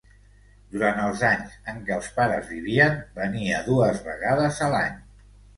Durant els anys en què els pares vivien, venia dues vegades a l'any.